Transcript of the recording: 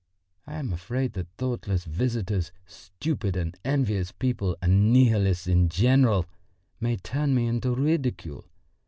I am afraid that thoughtless visitors, stupid and envious people and nihilists in general, may turn me into ridicule.